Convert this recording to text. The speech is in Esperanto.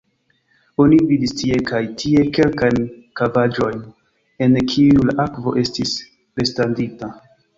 Oni vidis tie kaj tie kelkajn kavaĵojn, en kiuj la akvo estis restadinta.